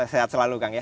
sehat selalu kang ya